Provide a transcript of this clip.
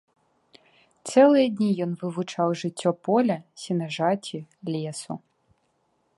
Цэлыя дні ён вывучаў жыццё поля, сенажаці, лесу.